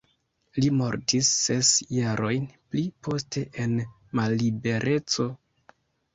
Li mortis ses jarojn pli poste en mallibereco.